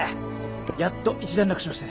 やっと一段落しまして。